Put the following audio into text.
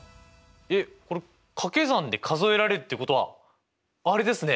えっこれ掛け算で数えられるってことはあれですね？